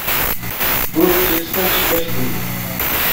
Ur ttett tamecmact-nni!